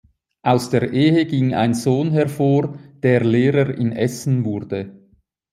Aus der Ehe ging ein Sohn hervor, der Lehrer in Essen wurde.